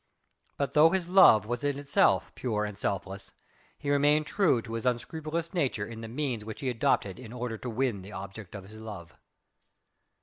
But though his love was in itself pure and selfless, he remained true to his unscrupulous nature in the means which he adopted in order to win the object of his love.